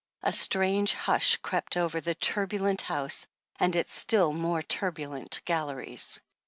A ^trange hush crept over the turbulent House, and its still more turbulent galleries.